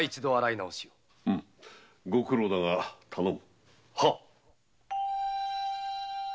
うむご苦労だが頼む。